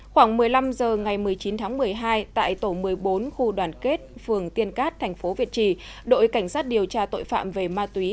khoảng một mươi năm h ngày một mươi chín tháng một mươi hai tại tổ một mươi bốn khu đoàn kết phường tiên cát thành phố việt trì đội cảnh sát điều tra tội phạm về ma túy